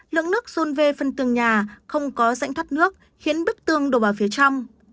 lượng nước run về phần tường nhà không có rãnh thoát nước khiến bức tường đổ vào phía trong